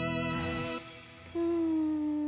うん。